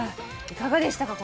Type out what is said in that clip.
いかがでしたか？